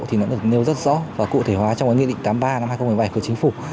thì nó được nêu rất rõ và cụ thể hóa trong cái nghị định tám mươi ba năm hai nghìn một mươi bảy của chính phủ